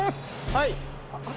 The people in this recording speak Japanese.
はい。